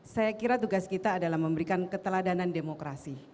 saya kira tugas kita adalah memberikan keteladanan demokrasi